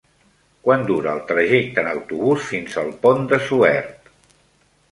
Quant dura el trajecte en autobús fins al Pont de Suert?